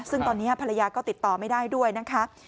ซึ่งตอนนี้ภรรยาก็ติดต่อไม่ได้ด้วยนะคะ